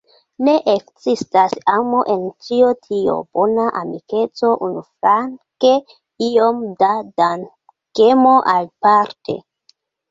Ne ekzistas amo en ĉio tio: bona amikeco unuflanke, iom da dankemo aliparte.